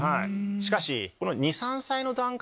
しかし。